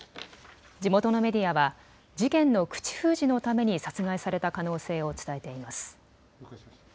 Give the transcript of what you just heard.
地元のメディアは事件の口封じのために殺害された可能性を伝えています。